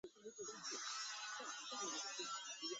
也有当杂志发型模特儿的经验。